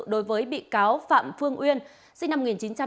đối với bị cáo phạm phương uyên sinh năm một nghìn chín trăm chín mươi bốn